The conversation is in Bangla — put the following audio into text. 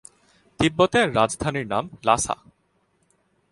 তিব্বতের রাজধানীর নাম লাসা।